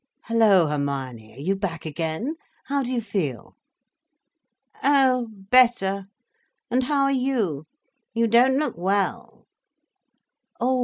"Hello, Hermione, are you back again? How do you feel?" "Oh, better. And how are you—you don't look well—" "Oh!